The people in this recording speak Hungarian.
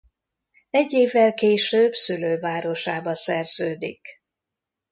Egy évvel később szülővárosába szerződik.